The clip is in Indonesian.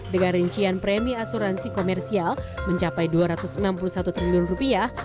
dengan rincian premi asuransi komersial mencapai dua ratus enam puluh satu triliun rupiah